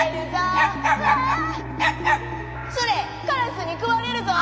「それカラスにくわれるぞ」。